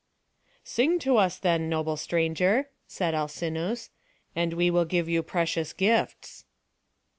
"Sing to us, then, noble stranger," said Alcinous; "and we will give you precious gifts."